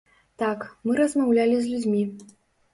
Так, мы размаўлялі з людзьмі.